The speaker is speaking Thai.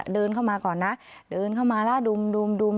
เดินเข้ามาก่อนนะเดินเข้ามาแล้วดุม